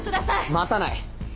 待たない。